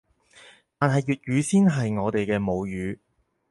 但係粵語先係我哋嘅母語